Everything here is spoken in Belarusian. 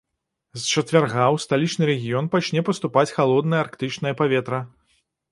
З чацвярга ў сталічны рэгіён пачне паступаць халоднае арктычнае паветра.